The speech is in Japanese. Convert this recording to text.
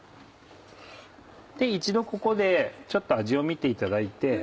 一度ここでちょっと味を見ていただいて。